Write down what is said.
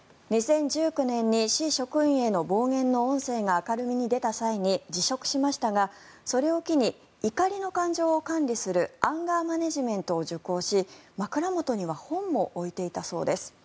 ２０１９年に市職員への暴言の音声が明るみに出た際に辞職しましたがそれを機に怒りの感情を管理するアンガーマネジメントを受講し枕元には本も置いていたそうです。